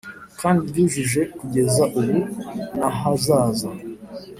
kandi ryujujwe kugeza ubu nahazaza